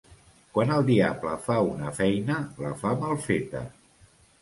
Quan el diable fa una feina la fa mal feta.